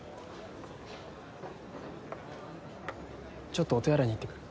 ちょっとお手洗いに行ってくる。